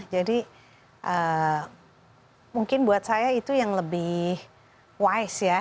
jadi mungkin buat saya itu yang lebih wise ya